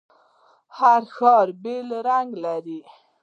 هر ښار بیل رنګ لري.